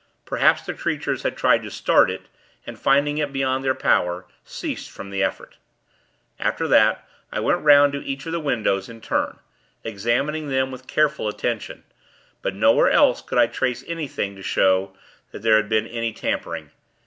Perhaps the creatures had tried to 'start' it, and, finding it beyond their power, ceased from the effort. After that, I went 'round to each of the windows, in turn; examining them with careful attention; but nowhere else could I trace anything to show that there had been any tampering.